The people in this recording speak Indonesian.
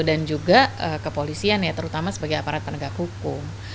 dan juga kepolisian ya terutama sebagai aparat penegak hukum